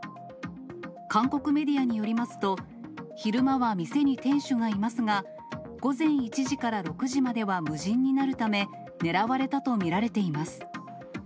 韓国メディアによりますと、昼間は店に店主がいますが、午前１時から６時までは無人になるため、狙われたと見られています。